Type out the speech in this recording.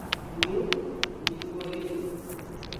Nu, ni foriru!